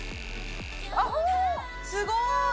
あっ、すごい。